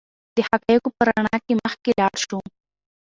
د حقایقو په رڼا کې مخکې لاړ شو.